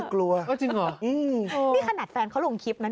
คนเซล